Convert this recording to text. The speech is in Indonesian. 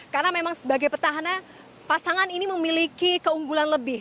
karena memang sebagai petahana pasangan ini memiliki keunggulan lebih